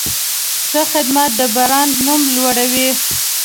ښه خدمت د برانډ نوم لوړوي.